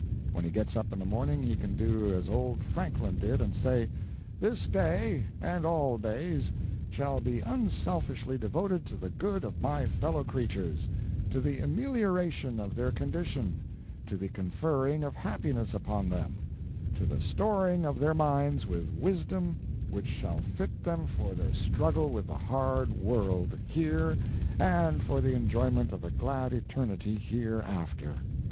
When he gets up in the morning he can do as old Franklin did, and say, "This day, and all days, shall be unselfishly devoted to the good of my fellow creatures—to the amelioration of their condition—to the conferring of happiness upon them—to the storing of their minds with wisdom which shall fit them for their struggle with the hard world, here, and for the enjoyment of a glad eternity hereafter.